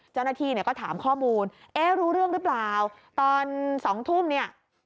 เจ้าหน้าที่เนี่ยก็ถามข้อมูลเอ๊ะรู้เรื่องหรือเปล่าตอนสองทุ่มเนี่ย